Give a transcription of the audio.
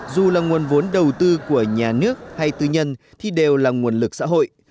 dù là nguồn vốn đầu tư của nhà nước hay tư nhân thì đều là nguồn lực xã hội